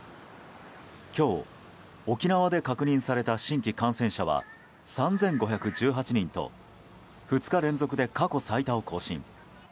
今日、沖縄で確認された新規感染者は３５１８人と２日連続で過去最多を更新。